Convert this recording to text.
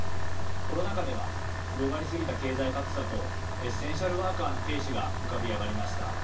コロナ禍では広がり過ぎた経済格差とエッセンシャルワーカーの軽視が浮かび上がりました。